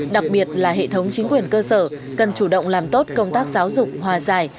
đặc biệt là hệ thống chính quyền cơ sở cần chủ động làm tốt công tác giáo dục hòa giải